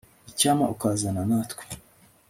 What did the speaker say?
icyampa ukazana natwe